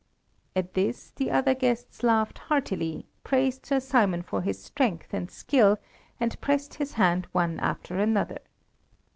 At this the other guests laughed heartily, praised Sir Simon for his strength and skill, and pressed his hand one after another.